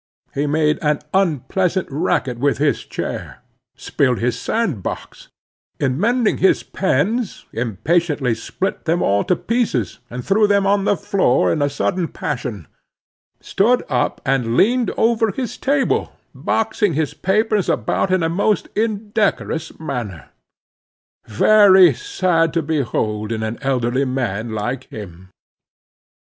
He made an unpleasant racket with his chair; spilled his sand box; in mending his pens, impatiently split them all to pieces, and threw them on the floor in a sudden passion; stood up and leaned over his table, boxing his papers about in a most indecorous manner, very sad to behold in an elderly man like him.